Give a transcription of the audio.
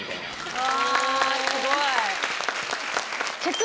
うわすごい！